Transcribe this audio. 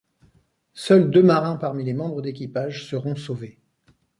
Seuls deux marins parmi les membres d'équipage seront sauvés.